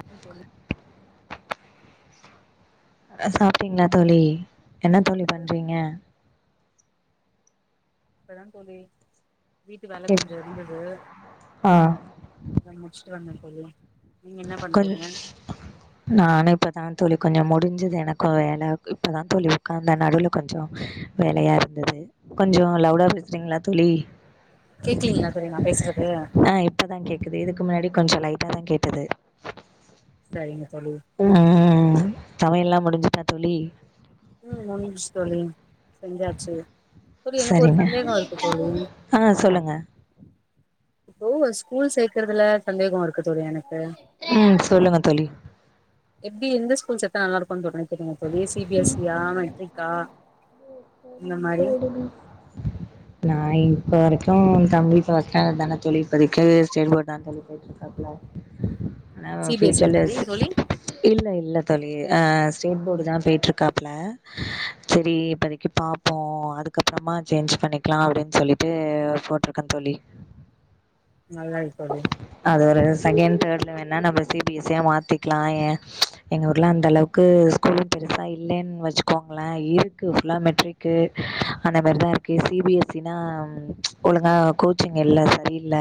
[inaudible] அ சாப்ட்டீங்களா தோழி என்ன தோழி பண்றீங்க இப்பதா தோழி வீட்டு வேல கொஞ்ச இருந்தது ஆ அத முடிச்ட்டு வந்தே தோழி நீங்க என்ன பண் குக்கர் நானு இப்போதா தோழி கொஞ்ச முடிஞ்சுது எனக்கு வேலை இப்போதா தோழி உட்கார்ந்த நடுவுல கொஞ்சோ வேலையா இருந்தது கொஞ்சோ லவுடா பேசுறீங்ளா தோழி கேக்கலீங்ளா தோழி நா பேசுறது ஆ இப்பதா கேக்குது இதுக்கு முன்னாடி கொஞ்சோ லைட்டாதா கேட்டுது சரிங்க தோழி ம் சமையல்லா முடிஞ்சுட்டா தோழி ம் முடின்ச்சு தோழி செஞ்சாச்சு தோழி எனக் ஒரு சரிங்க சந்தேகோ இருக்கு தோழி ஆ சொல்லுங்க ஓ ஸ்கூல் சேக்கறதுல சந்தேகோ இருக்கு தோழி எனக்கு ம் சொல்லுங்க தோழி எப்டி எந்த ஸ்கூல் சேத்தா நல்லா இருக்குனு [unintelligible] தோழி சி பி எஸ் சீ யா மெட்ரிகா [unintelligible] நா இப்ப வரைக்கு தம்பி ஃபஸ்ட் டேண்டட் தான தோழி இப்பதிக்கு ஸ்டேட் போர்ட் தா தோழி இப்பதைக்கு ஸ்டேட் போர்டு தா தோழி அப்டியா நா சி பி எஸ் இ யா தோழி ஃபூயூச்சர்லயாச்சு தோழி இல்ல இல்ல தோழி ஆ ஸ்டேட் போர்டு தா போயிட்டு இருக்காப்புல சேரி இப்பதிக் பாப்போ அதுக்கப்புறமா சேஞ்ச் பண்ணிக்கலா அப்டின் சொல்லிட்டு போட்ருக்கேந் தோழி நல்லது தோழி அது ஒரு செகண்ட் தேர்டில வேணா நம்ம சி பி எஸ் சி யா மாத்திக்கலா ஏ எங்க ஊர்ல அந்தளவுக்கு ஸ்கூல் பெருசா இல்லலைன்னு வெச்சுக்கோங்களே இருக்கு ஃபுல்லா மெட் ரிக்கு அந்த மேரி தா இருக்கு சி பி எஸ் சினா ஒழுங்கா கோ கோச்சிங் இல்ல சரியில்ல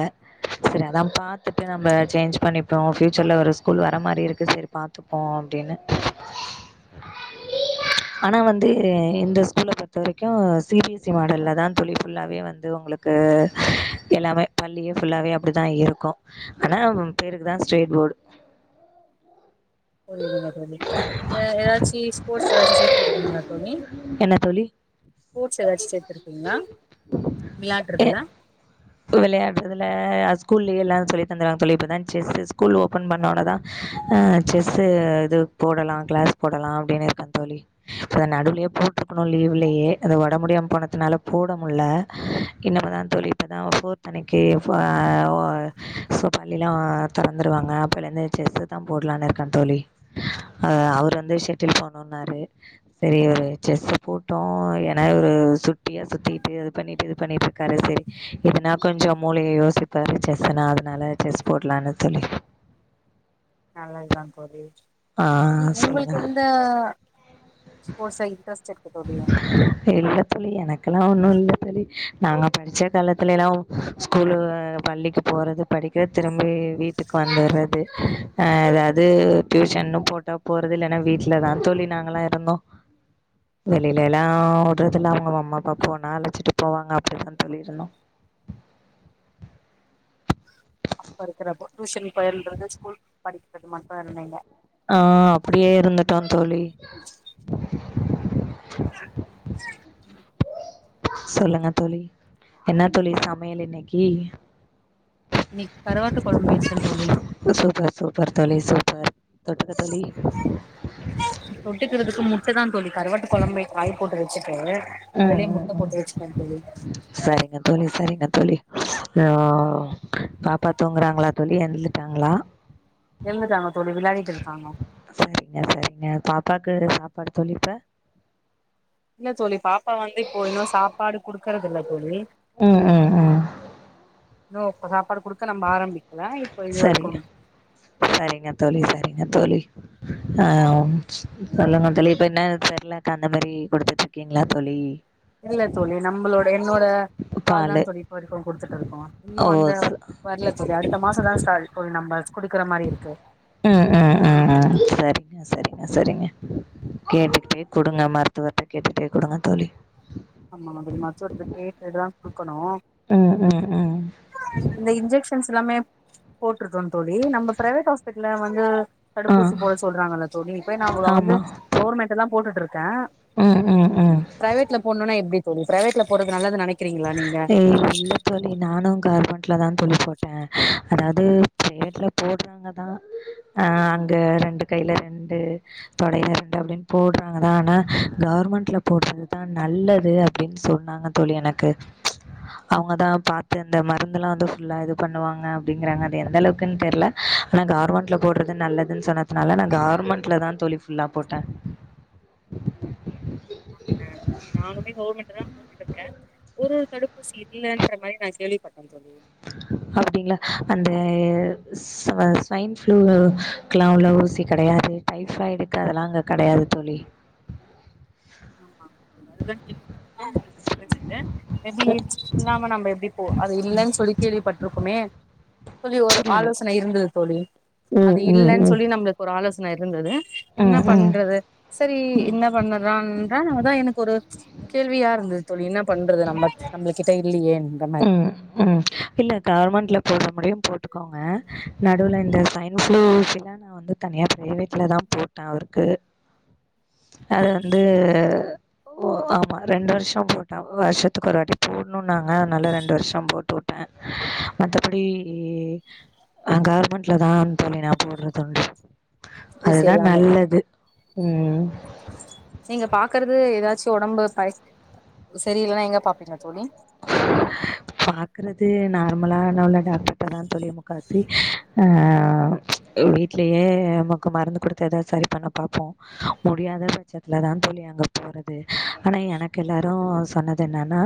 செரி அதா பாத்துட்டு நம்ப சேஞ்ச் பண்ணிப்போ ஃபூயூச்சர்ல ஒரு ஸ்கூல் வர மாரி இருக்கு சேர் பாத்துப் போம் அப்டின்னு ஆனா வந்து இந்த ஸ் கூலை பொறுத்த வரைக்கு சி பி எஸ் சி மாடல்ல தா தோழி ஃபுல்லாவே வந்து உங்ளுக்கு எல்லாமே பள்ளியே ஃபுல்லாவே அப்டி தா இருக்கு ஆனா பேருக்கு தா ஸ்டேட் போர்டு இந்த ஏதாச்சி ஸ்போர்ட்ஸ் ஏதாச்சி சேத்து இருக்கீங்ளா தோழி என்ன தோழி ஸ்போட்ஸ் ஏதாச்சு சேர்த்திருக்கீங்ளா வெளாயாடுறதுல இப்ப வெளையாடுறதுல ஸ்கூல்லயே எல்லா சொல்லி தந்துராங்க போல இப்பதா செஸ் ஸ்கூல் ஓன் பண்ணோனதா அ செஸ்ஸூ இது போடலா கிளாஸ் போடலா அப்டின் இருக்க தோழி இப்ப நடுவுலயே போட்டுருக்கணு லீவ்லயே அத ஒடம் முடியாம போனதுனால போட முட்ல இன்னமதா தோழி இப்போதா ஃபோர்த் அன்னைக்கு ஃப வ சோ பள்ளிலா தொறந்துருவாங்க அப்பலருந்து செஸ்ஸு தா போட்லானு இருக்க தோழி அ அவரு வந்து ஷெட்டில் போட்னூன்னாரு செரி இவரு செஸ்ஸு போட்டு ஏனா இவரு சுட்டியா சுத்திட்டு அது பண்ணிட்டு இது பண்ணிட்ருக்காரு செரி இதுனா கொஞ்சொ மூளைய யோசிப்பாரு செஸ்ஸுனா அதனால செஸ் போட்லானு தோழி நல்லது தா தோழி ஆ நீ உங்களுக்கு சொல்லுங்கள் எந்த ஸ்போர்ட்ஸ்ல இன்ட்ரஸ்ட் இருக்கு தோழி இல்ல தோழி எனக்கல்லா ஒன்னு இல்ல தோழி நாங்க படிச்ச காலத்துலெலா ஸ்கூலு பள்ளிக்குப் போறது படிக்கிறத் திரும்பி வீட்டுக்கு வந்துறது அ எதாது டியூஷன்னு போட்டா போறது இல்ல ஏனா வீட்லதா தோழி நாங்கலா இருந்தோ வெளியிலெலா உட்றதில்ல அவுங்க அம்மா அப்பா போனா அழைச்சிட்டு போவாங்க அப்டிதா தோழி இருந்தோ அப்ப இருக்கிறப்போ டியூஷன் பயில்றது ஸ்கூல் படிக்கறது மட்டு இருந்தீங்க ஆ அப்டியே இருந்துட்டோ தோழி சொல்லுங்க தோழி என்ன தோழி சமையல் இன்னைக்கி இன்னைக்கி கரவாட்டுக் கொழம்பு வெச் சூப்பர் சூப்பர் தோழி சூப்பர் தொட்டுக்க தோழி தொட்டுக்கிறதுக்கு முட்ட தா தோழி கருவாட்டு கொழம்ப காய் போட்டு வெச்சுட்டு ம் அதுலயே ம் முட்ட ம் போட்டு வெச்சுட்ட தோழி சரிங்க தோழி சரிங்க தோழி அ பாப்பா தூங்குறாங்களா தோழி எழுந்துட்டாங்ளா எழுந்துட்டாங்க தோழி விளாடிட்டு இருக்காங்க சரிங்க சரிங்க பாப்பாக்கு சாப்பாடு தோழி இப்ப இல்ல தோழி பாப்பா வந்து இப்போ இன்னு சாப்பாடு குடுக்கறதில்ல தோழி ம் ம் ம் இன்னு சாப்பாடு குடுக்க நம்ப ஆரம்பிக்கல இப் சரி சரிங்க தோழி சரிங்க தோழி அ ம் சொல்லுங்க தோழி இப்ப என்ன செர்லேக் அந்த மாரி குடுத்துட்டு இருக்கீங்ளா தோழி இல்ல தோழி நம்பளோட என்னோட பால் தா பாலு தோழி இப்ப வரைக்கோ குடுத்துட்டு இருக்கோ இன்னு ஓ அந்த ச வர்ல தோழி அடுத் த மாசோ தா ஸ்டா தோழி நம்ம குடுக்கற மாரி இருக்கு ம் ம் ம் ம் சரிங்க சரிங்க சரிங்க கேட்டுக்கிட்டே குடுங்க மருத்துவர்கிட்ட கேட்டுட்டே குடுங்க தோழி ஆமா அது மருத்துவர்ட்ட கேட்டு தா குடுக்கனு ம் ம் ம் இந்த இன்ஜெக்ஷன்ஸ் எல்லாமே போட்ருக்கோ தோழி நம்ப ப்ரைவேட் ஹாஸ்பிட்டல்ல வந்து ஆ தடுப்பூசி போட சொல்றாங்கல்ல தோழி இப்பயே நா வந்து ஆமா கவுர்மெண்ட்ல தா போட்டுட்டுருக்க ம் ம் ம் ப்ரைவேட்ல போட்னுன்னா எப்டி தோழி ப்ரைவேட்ல போட்றது நல்லதுன் நெனைக்கிறீங்ளா நீங்க இல்ல தோழி நானு கவர்மெண்ட்ல தா தோழி போட்ட அதாவது ப்ரைவேட்ல போட்றாங்க தா அ அங்க ரெண்டு கைல ரெண்டு தொடையில ரெண்டு அப்டின் போட்றாங்கதா ஆனா கவர்மெண்ட்ல போட்றதுதா நல்லது அப்டின் சொன்னாங்க தோழி எனக்கு அவுங்கதா பாத்து அந்த மருந்துல்லா வந்து ஃபுல்லா வந்து இது பண்ணுவாங்க அப்டிங்குறாங்க அது எந்த அளவுக்குன்னு தெர்ல ஆனா கவர்மெண்ட்ல போடுறது நல்லதுன்னு சொன்னதுனால நா கவர்மெண்ட்ல தா தோழி ஃபுல்லா போட்ட [inaudible] நானுமே கவர்மெண்ட்டு தா போட்டுட்டுருக்க ஒரு தடுப்பூசி இல்லன்ற மாரி நா கேள்விப்பட்ட தோழி அப்டிங்ளா அந்த ஸ்வ ஸ்வைன் ஃப்ளூவுக்லா உள்ள ஊசி கெடையாது டைஃபாய்டுக்கு அதெல்லா அங்க கெடையாது தோழி [inaudible] இல்லாம நம்ப எப்டி போ அது இல்லன்னு சொல்லி கேள்விப்பட்ருக்கொமே [unintelligible] ஒரு புரியல ஆலோசனை இருந்துது தோழி ம் அது ம் இல்லன்னு ம் சொல்லி நம்மளுக்கு ஒரு ஆலோசன இருந்துது என்னா ம் பண்றது சேரி இன்னா பண்ணறான்றா அதா எனக்கு ஒரு கேள்வியா இருந்துது தோழி என்ன பண்றது நம்ம நம்ளுகிட்ட இல்லியேன்ற ம் ம் ம் இல்ல கவர்மெண்ட்ல போட்றபடியே போட்டுக்கோங்க நடுவுல இந்த ஸ்வைன் [inaudible] நா வந்து தனியா பிரைவேட்ல தா போட்ட அவருக்கு அது வந்து ஓ ஆமா ரெண்டு வருஷோ போட்ட வருஷத்துக்கு ஒரு வாட்டி போடுணுனாங்க அனால ரெண்டு வருஷோ போட்டு வுட்ட மத்தபடி ஆ கவர்மெண்ட்லதா தோழி நா போட்றதுன்டு ஊசி அதுதா எல்லாமே நல்லது ம் நீங்க பாக்குறது ஏதாச்சு ஒடம்பு ப சரியில்லனா எங்க பாப்பீங்க தோழி பாக்கறது நார்மலான உள்ள டாக்டர்டதா தோழி முக்காவாசி ஆ வீ ட்லயே நமக்கு மருந்து குடுத்து ஏதாது சரி பண்ண பாப்போ முடியாத பட்சத்துலதா தோழி அங்க போறது ஆனா எனக்கு எல்லாரு சொன்னது என்னான்னா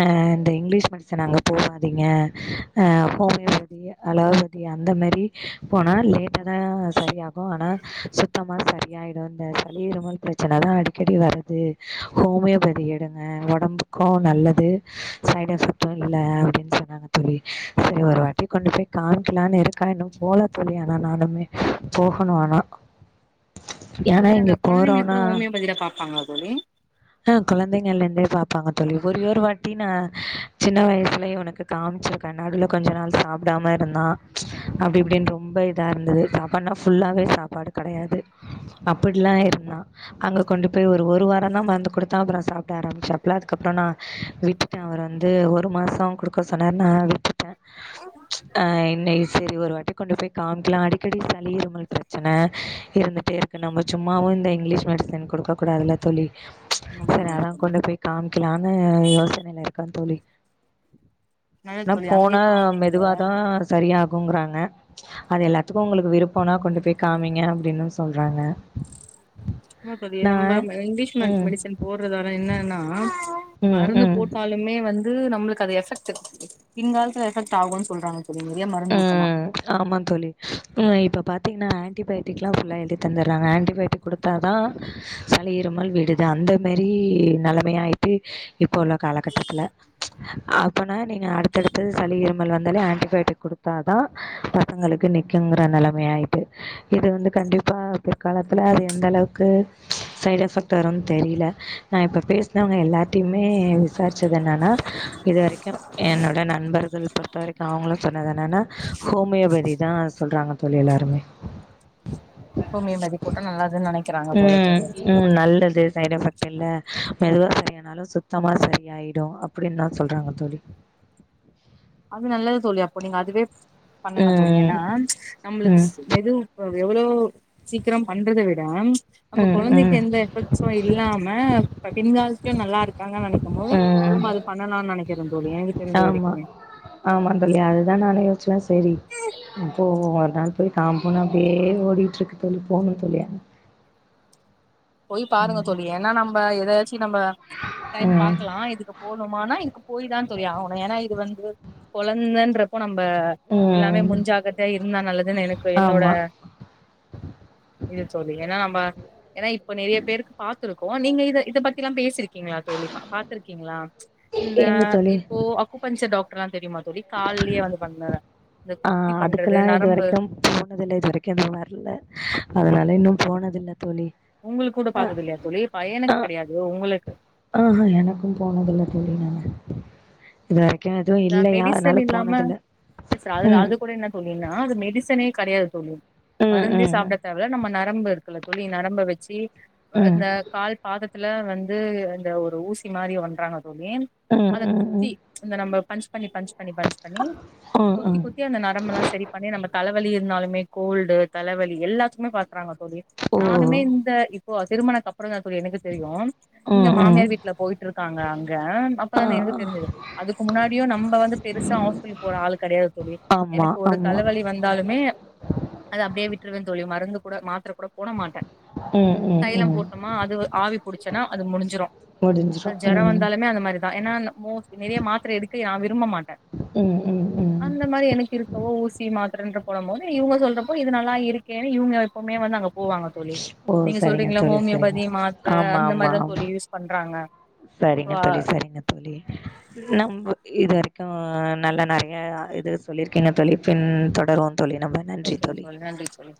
ஆ இந்த இங்கிலீஷ் மெடிசன் அங்க போகாதீங்க ஆ ஹோமியோபதி அலோபதி அந்த மேரி போனா லேட்டாதா சரியாகு ஆனா சுத் தமா சரியாயிடு இந்த சளி இருமல் பிரச்சனதா அடிக்கடி வரது ஹோமியோபதி எடுங் க ஒடம்புக்கு நல்லது சைடு எபெக்ட்டு இல்ல அப்டின்னு சொன்னாங்க தோழி சேரி ஒரு வாட்டி கொண்டு போய் காமிக்கலானு இருக் க இன்னு போலத் தோழி ஆனா நானுமே போகணு ஆனா தோழி அந்த கொழந்தைங்களுக்கு கூட ஹோமியோபதில பாப்பாங்களா தோழி ஆ கொழந்தைங்கள்ல இருந்தே பாப்பாங்க தோழி ஒரேரு வாட்டி நா சின்ன வயசுலயே அவனுக்கு காம்ச்ருக்கே நடுவுல கொஞ்ச நாள் சாப்டாம இருந்தா அப்டி இப்டின்னு ரொம்ப இதா இருந்துது பண்ணா ஃபுல்லாவே சாப்பாடு கெடையாது அப்டிலா இருந்தா அங்க கொண்டு போய் ஒரு வாரந்தா மருந்து குடுத்தா அப்பறோ சாப்ட ஆரம்பிச்சாப்புல அதுக்கப்பறோ நா விட்டுட்டே அவர் வந்து ஒரு மாசோ குடு க சொன்னாரு நா விட்டுட்டே ஆ இன்னிக் சேரி ஒரு வாட்டி கொண்டு போய் காமிக்லா அப்டி இப்டி சளி இருமல் பிரச்சன இருந்துட்டே இருக்கு நம்ம சும்மாவு இந்த இங்கிலீஷ் மெடிசன் குடுக்கக்கூடாதுல தோழி சேரி ஆமாங்க அதா தோழி கொண்டு போய் காமிக்கலான்னு யோசனைல இருக்க தோழி நல்லது ஆனா தோழி அங்கயே போனா காமிங்க மெதுவாதா சரியாகுங்க்றாங்க அது எல்லாத்துக்கு உங்க்ளுக்கு விருப்பம்னா கொண்டு போய் காமிங்க அப்டின்னு சொல்றாங்க இல்ல தோழி நா நம்ம மெ இங்கிலீஷ் மெட் ம் மெடிசன் போட்றதால என்னன்னா ம் மருந்து ம் போட் தாலுமே வந்து நம்மளுக்கு அது எஃபெக்டு பின்காலத்துல எஃபெக்ட் ஆகும்னு சொல்றாங்க தோழி நெறய மருந்து ஊத்துனா ம் ஆமா தோழி ஆ இப்ப பாத்தீங்கன்னா ஆன்டிபயோட்டிக்ல்லா ஃபுல்லா எழுதி தந்தறாங்க ஆண்டிபயோட்டிக் குடுத்தா தா சளி இருமல் விடுது அந்த மாரி நெலமயாயிட்டு இப்போ உள்ள காலகட்டத்துல அப்பனா நீங்க அடுத்தடுத்தது சளி இருமல் வந்தாலே ஆன்டிபயோட்டிக் குடு தா தா பசங்களுக்கு நிக்குங்கிற நெலம ஆயிட்டு இது வந்து கண்டிப்பா பிற்காலத்துல அது எந்த அளவுக்கு சைடு எஃபெக்ட் வரும்ன்னு தெரில நா இப்ப பேசுனவங்க எல்லாட்டயுமே விசாரிச்சது என்னன்னா இது வரைக்கும் என்னோட நண்பர்கள் பொறுத்த வரைக்கும் அவுங்களும் சொன்னத என்னானா ஹோமியோபதி தா சொல்றாங்க தோழி எல்லாருமே ஹோமியோபதி போட்டா நல்லதுன்னு நெனைக்கிறாங்க போல ம் தோழி ம் நல்லது சைட்எஃபெக்ட் இல்ல மெதுவா சரியானாலு சுத்தமா சரியாயிடு அப்பிடின் தா சொல்றாங்க தோழி அது நல்லது தோழி அப்போ நீங்க அதுவே பண்ணுங்க தோழி ம் ஏனா நம்மளுக் ம் மெதுவ் அ எவ்ளோ சீக்கிரம் பண்றத விட நம்ம ம் கொழந்தை ம் க்கு எந்த எஃபெக்ட்ஸு இல்லாம பின்காலத்துலயு நல்லா இருக்காங்கன்னு நனைக்கும் போது ம் நம்ம அது பண்ணலானு நினைக்கிறே தோழி எனக்கு தெரிஞ்ச வரைக்குமே ஆமா தோழி அதுதா நானே யோசிச்சே சரி போவோ ஒரு நாள் போய் காம்ப்போனா அப்டியே ஓடிட்ருக்கு தோழி போகணு தோழி போய் பாருங்க தோழி ஏன்னா நம்ப ஏதாச்சி நம்ப டைம் ம் பாக்லா இதுக்கப்றோ போணுமானா இங்க போய் தா தோழி ஆவுனு ஏன்னா இது வந்து கொழந்தன்றப்ப நம்ப எல்லாமே ம் முஞ்சாக்கர்தயா இருந்தா நல்லதுன்னு எனக்கு என்னோட ஆமா இது தோழி ஏன்னா நம்ப ஏன்னா இப் இப்ப நெறைய பேருக்கு பாத்துருக்கோ நீங்க இத இத பத்தி எல்லா பேசிருக்கீங்களா தோழி பாத்துருக்கீங்களா இந்த எங்க தோழி இப்போ அக்குப்பஞ்சர் டாக்டர்லா தெரியுமா தோழி கால்லயே வந்து பண்ணத ஆ அதுக்கெலா இதுவரைக்கும் போனதுல்ல இது வரைக்கு இன்னு வர்ல அதனால இன்னு போனதில்ல தோழி உங்குளுக்கு கூட பாத்தது இல்லையா தோழி ஆ பயனுக்கு கெடையாது உங்குளுக்கு ஆஹா எனக்கும் போனதில்ல தோழி நானு இது வரைக்கு எதுவு இந்த இல்லையா அதனால மெடிசன் போனதுல்ல ம் சொல்லேனா அது மெடிசனே கடையாது தோழி ம் மருந்தே ம் சாப்புட தேவல்ல நம்ம நரம்பு இருக்குல தோழி நரம்ப வச்சி ம் இந்த கால் பாதத்துல வந்து இந்த ஒரு ஊசி மாரி பண்றாங்க தோழி ம் ம் அத குத்தி ம் இந்த நம்ப பஞ்ச் பண்ணி பஞ்ச் பண்ணி பஞ்ச் பண்ணி ம் குத்தி ம் குத்தி அந்த நரம்பெல்லா சரி பண்ணி நம்ப தலவலி இருந்தாலுமே கோல்டு தலவலி எல்லாத்துக்குமே பாக்குறாங்க தோழி ஓ நானுமே இந்த இப்போ திருமண அப்புற தா தோழி எனக்கே தெரியு இங்க ம் ம் மாமியார் வீட்ல போயிட்டு இருக்காங்க அங்க ஆ அப்பதா எனக்கு தெரிஞ்சிது அதுக்கு முன்னாடியு நம்ப வந்து பெருசா ஹஸ்பெடல் போற ஆள் கெடையாது தோழி ஆமா எனக்கு ஒரு ஆமா தலவலி வந் ந்தாலுமே அது அப்பிடியே விட்டுருவே தோழி மருந்து கூட மாத்தர கூட போட மாட்டே ம் ம் தைலம் ம் போட்டோமா அது ஆவி புடிச்சேனா அது முடிஞ்சிரும் முடிஞ்சிரு அது ஜொர ம் வந்தாலுமே அந்த மாரிதா ஏன்னா மோஸ் நிறைய மாத்தர எடுக்க நா விரும்ப மாட்டே ம் ம் ம் அந்த மாரி எனக்கு இருக்கவோ ஊசி மாத்தர போடும் போது நீ இவுங்க சொல்றப்போ இது நல்லா இருக் ஏன்னா இவுங்க எப்பமே வந்து அங்க போவாங்க தோழி ஓ நீங்க சரிங்க சொல்றீங்களா தோழி சரிங்க ஹோமியோபதி தோழி மாத்திர ஆமா அந்த ஆமா மாரிதா ஆமா தோழி யூஸ் பண்றாங்க சரிங்க தோழி சரிங்க தோழி நம் இது வரைக்கு நல்லா நெறையா இது சொல்லியிருக்கங்க தோழி பின் தொடருவோ தோழி நம்ம ஓகேங்க தோழி நன்றி தோழி